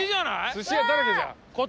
寿司屋だらけじゃん！